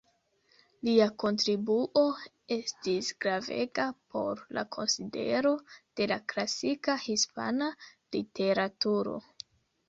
Lia kontribuo estis gravega por la konsidero de la klasika hispana literaturo.